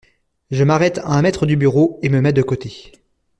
Je m’arrête à un mètre du bureau et me mets de côté.